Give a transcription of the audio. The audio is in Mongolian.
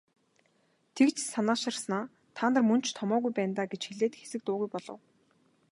Тэгж санааширснаа "Та нар мөн ч томоогүй байна даа" гэж хэлээд хэсэг дуугүй болов.